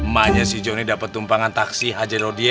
maknya si joni dapet tumpangan taksi haja rodie